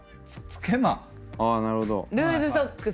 あなるほど。